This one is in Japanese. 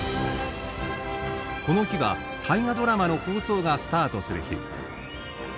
この日は「大河ドラマ」の放送がスタートする日。